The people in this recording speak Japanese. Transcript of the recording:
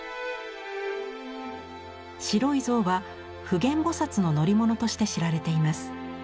白い象は普賢菩の乗り物として知られています。